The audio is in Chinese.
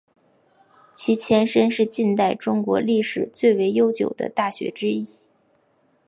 其前身是近代中国历史最为悠久的大学之一。